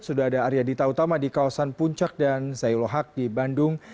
sudah ada arya dita utama di kawasan puncak dan zailohak di bandung